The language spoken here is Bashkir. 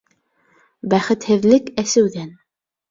Бәхетһеҙлек әсеүҙән